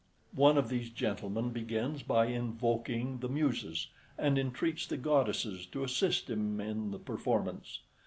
One of these gentlemen begins by invoking the Muses, and entreats the goddesses to assist him in the performance.